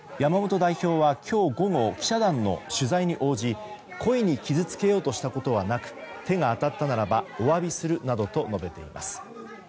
山本代表は今日午後、取材に応じ故意に傷つけようとしたことはなく手が当たったならばお詫びするなどと述べています。